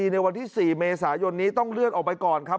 ในวันที่๔เมษายนนี้ต้องเลื่อนออกไปก่อนครับ